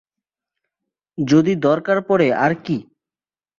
যদি দরকার পড়ে আর কী।